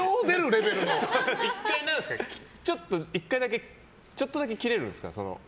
１回だけちょっとだけキレるんですか？